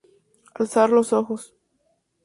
Alzar los ojos.